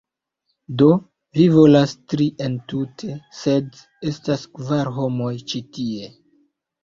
"Do, vi volas tri entute, sed estas kvar homoj ĉi tie